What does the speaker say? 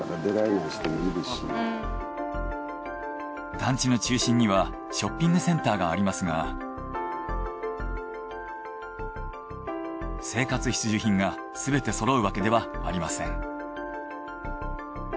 団地の中心にはショッピングセンターがありますが生活必需品がすべてそろうわけではありません。